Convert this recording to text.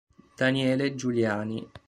Daniele Giuliani